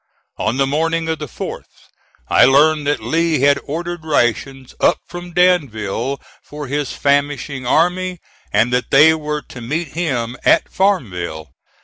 On the morning of the 4th I learned that Lee had ordered rations up from Danville for his famishing army, and that they were to meet him at Farmville.